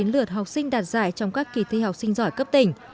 một trăm ba mươi chín lượt học sinh đạt giải trong các kỳ thi học sinh giỏi cấp tỉnh